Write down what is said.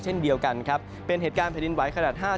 เจอเหตุการณ์ผลิดินไหว๕๓